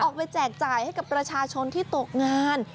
ไปแจกจ่ายให้กับประชาชนที่ตกงาน